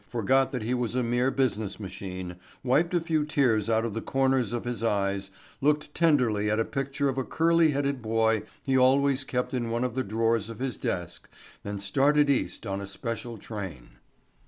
forgot that he was a mere business machine, wiped a few tears out of the corners of his eyes, looked tenderly at a picture of a curly headed boy he always kept in one of the drawers of his desk and started east on a special train.